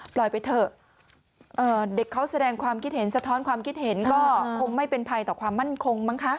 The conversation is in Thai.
ไปเถอะเด็กเขาแสดงความคิดเห็นสะท้อนความคิดเห็นก็คงไม่เป็นภัยต่อความมั่นคงมั้งคะ